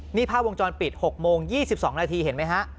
นี่ภาพวงจรปิด๖โมง๒๒นาทีเห็นไหมฮะ